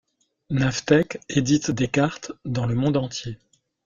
Navteq édite des cartes dans le monde entier.